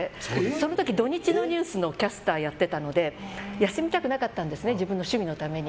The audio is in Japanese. その時、土日のニュースのキャスターをやっていたので休みたくなかったんです自分の趣味のために。